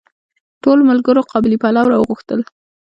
ټولو ملګرو قابلي پلو راوغوښتل.